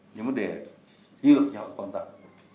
những vấn đề yếu lực nhau quan tâm